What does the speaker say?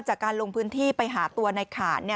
จากการลงพื้นที่ไปหาตัวในขาน